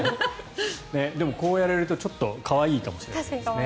でもこうやられるとちょっと可愛いかもしれないですね。